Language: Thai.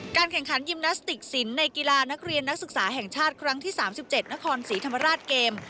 แข่งขันยิมนาสติกศิลป์ในกีฬานักเรียนนักศึกษาแห่งชาติครั้งที่๓๗นครศรีธรรมราชเกม